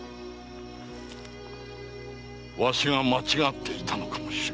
わしが間違っていたのかもしれぬ。